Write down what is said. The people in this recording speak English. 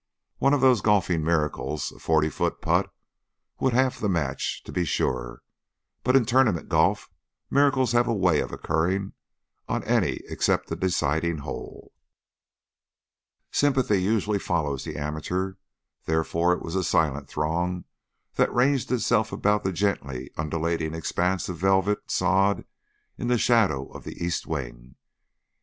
One of those golfing miracles, a forty foot putt, would halve the match, to be sure, but in tournament golf miracles have a way of occurring on any except the deciding hole. Sympathy usually follows the amateur, therefore it was a silent throng that ranged itself about the gently undulating expanse of velvet sod in the shadow of the east wing.